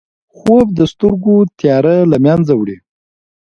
خوب د سترګو تیاره له منځه وړي